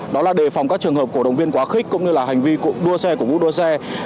đó là đề phòng các trường hợp cổ động viên quá khích cũng như là hành vi đua xe cổ vũ đua xe